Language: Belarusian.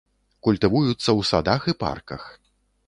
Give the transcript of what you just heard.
Культывуюцца ў садах і парках.